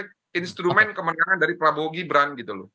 kepala daerah sebagai instrumen kemenangan dari prabowo gibran gitu loh